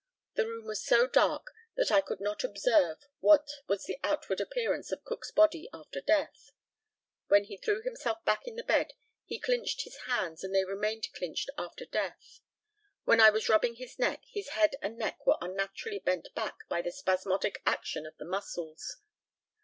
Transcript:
The room was so dark that I could not observe what was the outward appearance of Cook's body after death. When he threw himself back in bed he clinched his hands, and they remained clinched after death. When I was rubbing his neck, his head and neck were unnaturally bent back by the spasmodic action of the muscles.